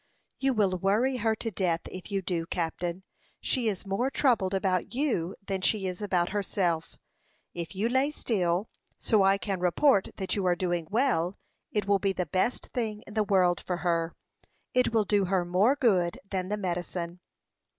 "You will worry her to death, if you do, captain. She is more troubled about you than she is about herself. If you lay still, so I can report that you are doing well, it will be the best thing in the world for her. It will do her more good than the medicine."